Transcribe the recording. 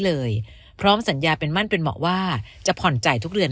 เลยพร้อมสัญญาเป็นมั่นเป็นเหมาะว่าจะผ่อนจ่ายทุกเดือน